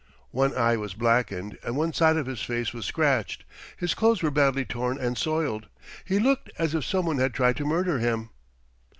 One eye was blackened and one side of his face was scratched. His clothes were badly torn and soiled. He looked as if some one had tried to murder him.